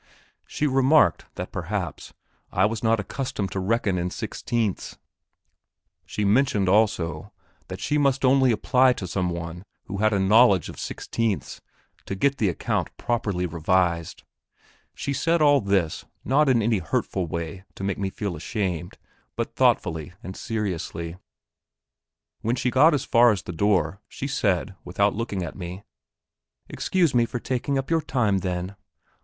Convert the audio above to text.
She remarked that perhaps I was not accustomed to reckon in sixteenths; she mentioned also that she must only apply to some one who had a knowledge of sixteenths, to get the account properly revised. She said all this, not in any hurtful way to make me feel ashamed, but thoughtfully and seriously. When she got as far as the door, she said, without looking at me: "Excuse me for taking up your time then."